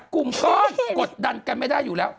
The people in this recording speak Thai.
กลุ่มก้อนกดดันกันไม่ได้อยู่แล้ว